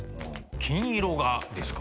金色がですか？